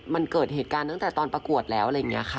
มันเกิดเหตุการณ์ตั้งแต่ตอนประกวดแล้วอะไรอย่างนี้ค่ะ